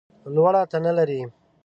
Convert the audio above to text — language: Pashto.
لوړه تنه لرې !